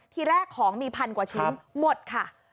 ทีแรกของมีพันกว่าชิ้นหมดค่ะ